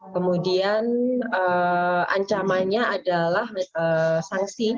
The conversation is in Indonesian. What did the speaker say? kemudian ancamannya adalah sanksi